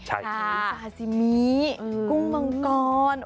ใช่ซาซิมิกุ้งมังกร